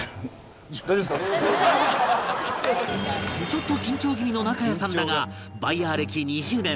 ちょっと緊張気味の中谷さんだがバイヤー歴２０年